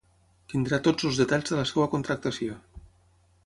Tindrà tots els detalls de la seva contractació.